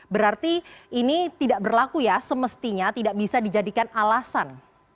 berarti ini tidak berlaku ya semestinya tidak bisa dijadikan alasan